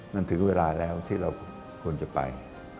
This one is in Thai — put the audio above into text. มันถึงเวลาแล้วที่เราควรจะไป